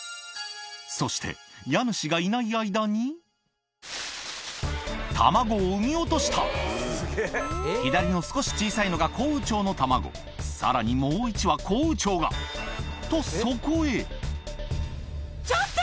そして家主がいない間に卵を産み落とした左の少し小さいのがさらにもう１羽コウウチョウがとそこへちょっと！